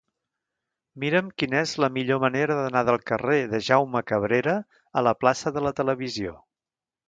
Mira'm quina és la millor manera d'anar del carrer de Jaume Cabrera a la plaça de la Televisió.